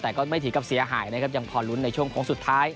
แต่ก็ไม่ถึงกับเสียหายนะครับยังพอลุ้นในช่วงโค้งสุดท้าย